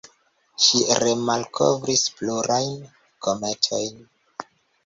Ŝi remalkovris plurajn kometojn.